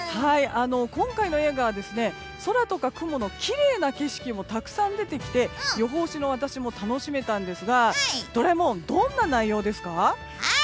今回の映画は空とか雲のきれいな景色もたくさん出てきて予報士の私も楽しめたんですがドラえもん、どんな内容ですか。